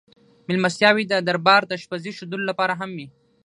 مېلمستیاوې د دربار د اشپزۍ ښودلو لپاره هم وې.